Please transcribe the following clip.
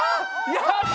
やった！